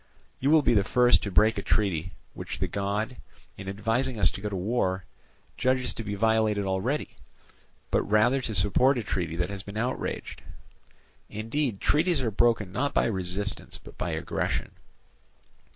You will be the first to break a treaty which the god, in advising us to go to war, judges to be violated already, but rather to support a treaty that has been outraged: indeed, treaties are broken not by resistance but by aggression.